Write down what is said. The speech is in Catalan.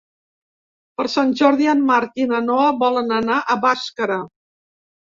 Per Sant Jordi en Marc i na Noa volen anar a Bàscara.